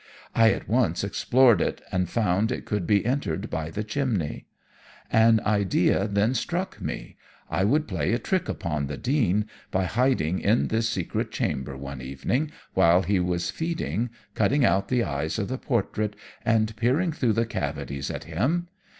I at once explored it, and found it could be entered by the chimney. An idea then struck me I would play a trick upon the Dean by hiding in this secret chamber one evening while he was feeding, cutting out the eyes of the portrait, and peering through the cavities at him.